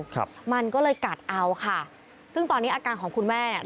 ครับมันก็เลยกัดเอาค่ะซึ่งตอนนี้อาการของคุณแม่เนี้ย